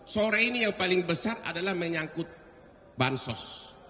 sore ini yang paling besar adalah menyangkut bansos